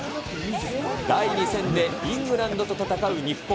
第２戦でイングランドと戦う日本。